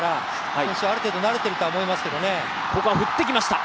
選手、ある程度慣れているとは思いますけれどね。